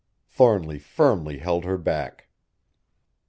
Thornly firmly held her back.